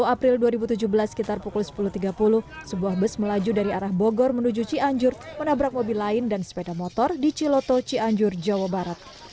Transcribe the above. dua puluh april dua ribu tujuh belas sekitar pukul sepuluh tiga puluh sebuah bus melaju dari arah bogor menuju cianjur menabrak mobil lain dan sepeda motor di ciloto cianjur jawa barat